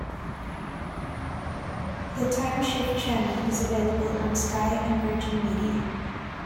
The time shift channel is available on Sky and Virgin Media.